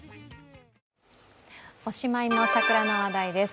おしまいに桜の話題です。